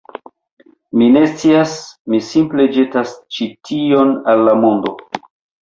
Mi ne scias, mi simple ĵetas ĉi tion al la mondo